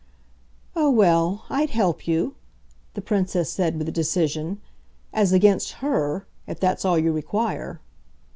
"Oh well, I'd help you," the Princess said with decision, "as against HER if that's all you require.